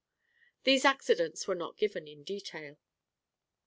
These accidents were not given in detail.